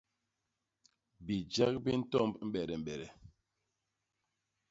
Bijek bi ntomb mbedembede.